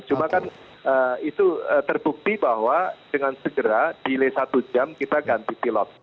cuma kan itu terbukti bahwa dengan segera delay satu jam kita ganti pilot